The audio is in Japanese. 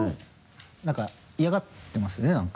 何か嫌がってますね何か。